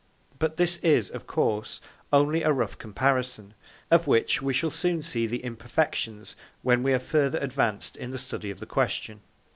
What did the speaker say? But this is, of course, only a rough comparison, of which we shall soon see the imperfections when we are further advanced in the study of the question.